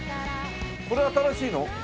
これ新しいの？